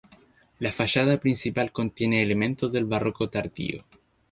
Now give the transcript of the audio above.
La fachada principal contiene elementos del barroco tardío.